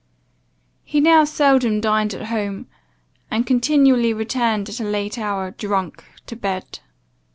"He now seldom dined at home, and continually returned at a late hour, drunk, to bed.